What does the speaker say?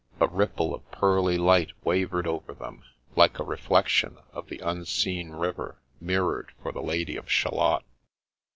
A ripple of pearly light wavered over them, like the reflection of the unseen river mirrored for the Lady of Shalott.